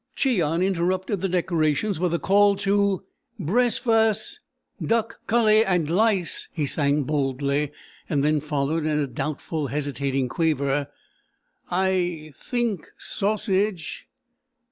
Cheon interrupted the decorations with a call to "Bressfass! Duck cully and lice," he sang boldly, and then followed in a doubtful, hesitating quaver: "I—think—sausage.